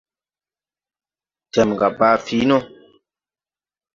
Tɛmga baa fǐi no.